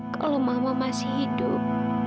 kalau mama masih hidup